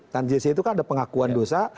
dan jc itu kan ada pengakuan dosa